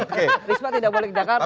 oke risma tidak boleh ke jakarta